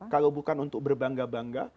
kalau bukan untuk berbangga bangga